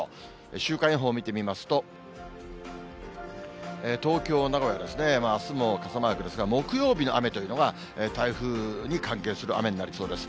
週間予報見てみますと、東京、名古屋ですね、あすも傘マークですが、木曜日の雨というのが、台風に関係する雨になりそうです。